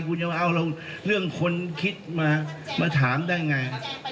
คุณจะเอาเรื่องคนคิดมามาถามได้อย่างไร